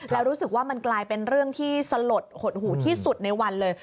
แล้วรู้สึกว่ามันกลายเป็นเรื่องที่สลดหดหูที่สุดในวันเลย